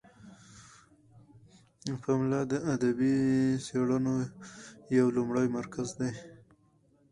پملا د ادبي څیړنو یو لومړی مرکز دی.